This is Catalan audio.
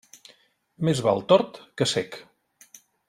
Més val tort que cec.